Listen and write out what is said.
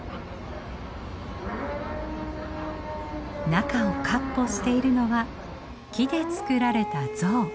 中をかっ歩しているのは木で作られた象。